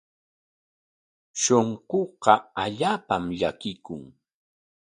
Shunquuqa allaapam llakikun.